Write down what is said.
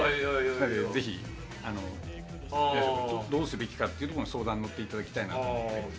なので、ぜひどうすべきかっていうのを相談に乗っていただきたいなと思って。